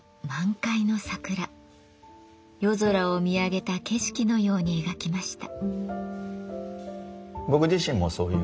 夜空を見上げた景色のように描きました。